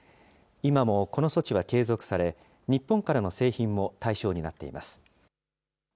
今もこの措置は継続され、日本からの製品も対象になっています。